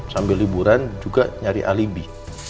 sambil liburan juga nyari alibi